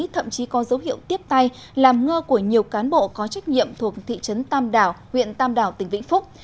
thậm chí có dấu hiệu tiếp tay làm ngơ của nhiều cán bộ có trách nhiệm thuộc thị trấn tam đảo huyện tam đảo tỉnh vĩnh phúc